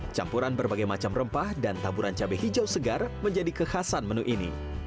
campuran berbagai macam rempah dan taburan cabai hijau segar menjadi kekhasan menu ini